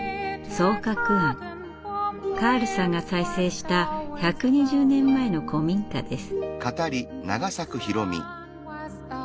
カールさんが再生した１２０年前の古民家です。